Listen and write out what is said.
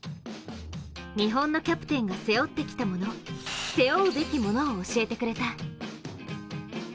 日本のキャプテンが背負ってきたもの背負うべきものを教えてくれた。